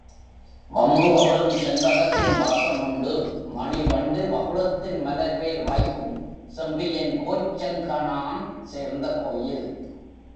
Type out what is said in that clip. வம்பு அவிழும் செண்பகத்தின் வாசமுண்டு மணிவண்டு வகுளத்தின் மலர்மேல் வைகும் செம்பியன் கோச் செங்கணான் சேர்ந்தகோயில்.